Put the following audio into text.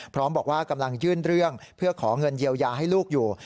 พร้อมบอกว่ากำลังยื่นเรื่องเพื่อขอเงินเยียวยาให้ลูกอยู่